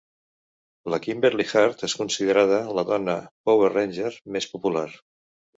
La Kimberly Hart és considerada la dona "power ranger" més popular.